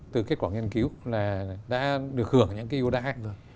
từ kết quả nghiên cứu là đã được hưởng những ưu đãi